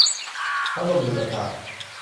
พัดลมดูดอากาศ